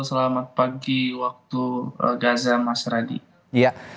selamat pagi waktu gaza mas radi